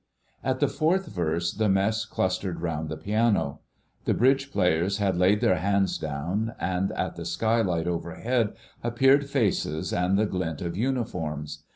At the fourth verse the Mess clustered round the piano. The bridge players had laid their hands down, and at the skylight overhead appeared faces and the glint of uniforms.